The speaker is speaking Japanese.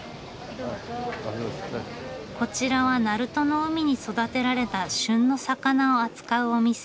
こちらは鳴門の海に育てられた旬の魚を扱うお店。